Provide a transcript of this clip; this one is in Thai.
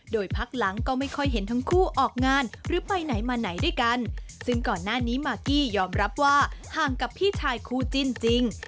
โดยพักหลังก็ไม่ค่อยเห็นทั้งคู่ออกงานหรือไปไหนมาไหนด้วยกันซึ่งก่อนหน้านี้มากกี้ยอมรับว่าห่างกับพี่ชายคู่จิ้นจริง